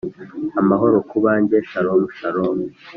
amahoro ku banjye shalom shalom